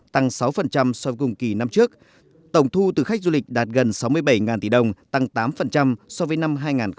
tăng sáu so với cùng kỳ năm trước tổng thu từ khách du lịch đạt gần sáu mươi bảy tỷ đồng tăng tám so với năm hai nghìn một mươi bảy